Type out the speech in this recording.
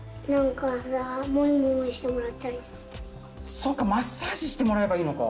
そっかマッサージしてもらえばいいのか。